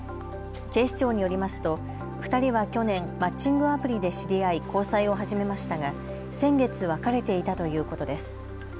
警視庁によりますと２人は去年、マッチングアプリで知り合い交際を始めましたが先月、別れていたということです。